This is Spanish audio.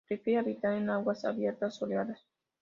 Prefiere habitar en aguas abiertas soleadas.